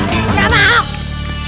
lalu aku akan menang